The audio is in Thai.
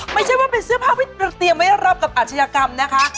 ไม่ใช่ว่าเป็นเสื้อผ้าที่เราเตรียมไว้รอบกับอาชญากรรมนะคะ